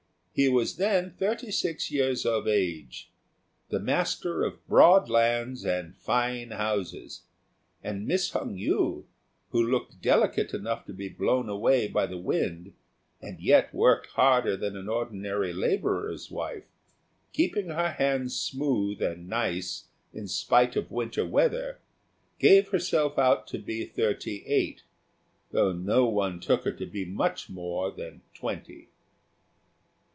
He was then thirty six years of age, the master of broad lands and fine houses; and Miss Hung yü, who looked delicate enough to be blown away by the wind, and yet worked harder than an ordinary labourer's wife, keeping her hands smooth and nice in spite of winter weather, gave herself out to be thirty eight, though no one took her to be much more than twenty.